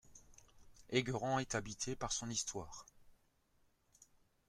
Enguerrand est habité par son histoire.